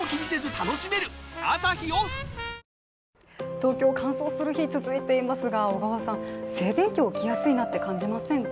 東京、乾燥する日が続いていますが、小川さん、静電気起きやすいなって感じませんか？